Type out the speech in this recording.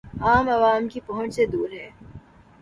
عام عوام کی پہنچ سے دور ہے